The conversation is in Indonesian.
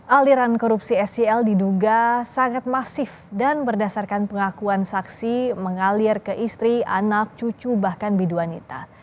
aliran korupsi sel diduga sangat masif dan berdasarkan pengakuan saksi mengalir ke istri anak cucu bahkan biduanita